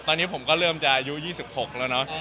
ตอนนี้ผมก็เริ่มจะอายุ๒๖แล้วเนอะ